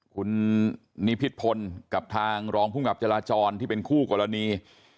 คุณนิพิษพลกับทางรองภูมิกับจราจรที่เป็นคู่กรณี